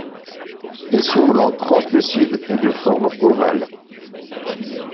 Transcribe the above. Ils sont blancs translucides et de forme ovale.